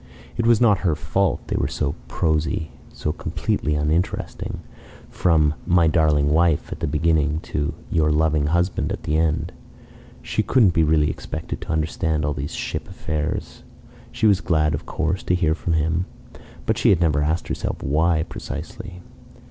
It was not her fault they were so prosy, so completely uninteresting from "My darling wife" at the beginning, to "Your loving husband" at the end. She couldn't be really expected to understand all these ship affairs. She was glad, of course, to hear from him, but she had never asked herself why, precisely.